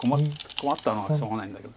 困ったのはしょうがないんだけど。